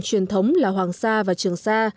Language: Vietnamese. truyền thống là hoàng sa và trường sa